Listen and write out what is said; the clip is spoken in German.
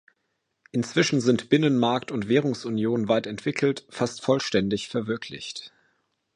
Inzwischen sind Binnenmarkt und Währungsunion weit entwickelt, fast vollständig verwirklicht.